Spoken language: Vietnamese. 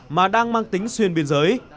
mà đang mang tính xuyên biên giới